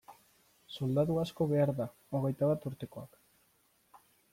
Soldadu asko behar da, hogeita bat urtekoak.